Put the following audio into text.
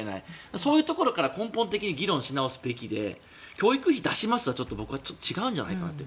そういうところを根本的に議論しなきゃいけなくて教育費出しますは僕は違うんじゃないかと。